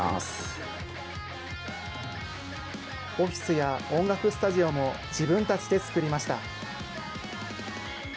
オフィスや音楽スタジオも自分たちで作りました。